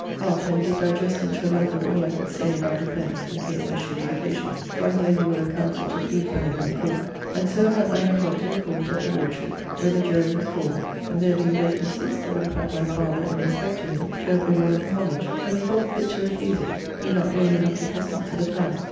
Up, and did digest into a method all I could say in our defence, in case there should be occasion, for I hear he will have counsel to plead for him in the Court, and so about nine o'clock to the court at the Lordshipp where the jury was called; and there being vacancies, they would have had my father, in respect to him, [to] have been one of the Homage, but he thought fit to refuse it, he not knowing enough the customs of the town.